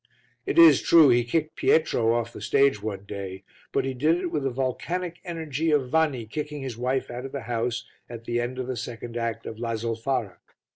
It is true he kicked Pietro off the stage one day, but he did it with the volcanic energy of Vanni kicking his wife out of the house at the end of the second act of La Zolfara.